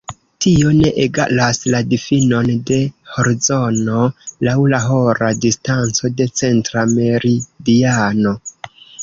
Tio ne egalas la difinon de horzono laŭ la hora distanco de centra meridiano.